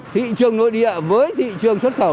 thị trường nội địa với thị trường xuất khẩu